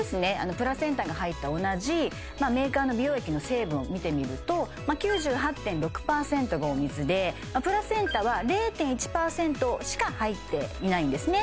プラセンタが入った同じメーカーの美容液の成分見てみると９８．６％がお水でプラセンタは０．１％しか入っていないんですね